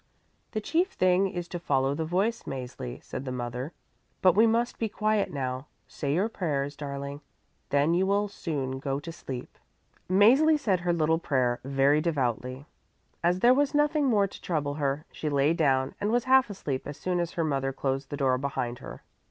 "The chief thing is to follow the voice, Mäzli," said the mother. "But we must be quiet now. Say your prayers, darling, then you will soon go to sleep." Mäzli said her little prayer very devoutly. As there was nothing more to trouble her, she lay down and was half asleep as soon as her mother closed the door behind her.